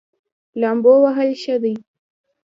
لامبو وهل ولې ښه دي؟